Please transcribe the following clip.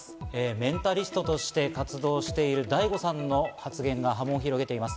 メンタリストとして活動しているＤａｉＧｏさんの発言が波紋を広げています。